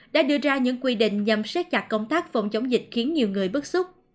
đã đưa ra những quy định nhằm xét chặt công tác phòng chống dịch khiến nhiều người bức xúc